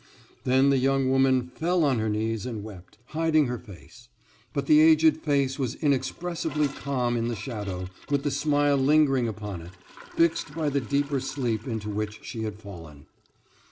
Then the young woman fell on her knees and wept, hiding her face. But the aged face was inexpressibly calm in the shadow, with the smile lingering upon it, fixed by the deeper sleep into which she had fallen.